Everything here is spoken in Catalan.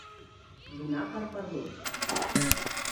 Donar per perdut.